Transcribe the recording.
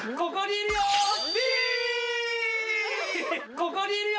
ここにいるよ！